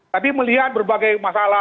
tapi melihat berbagai masalah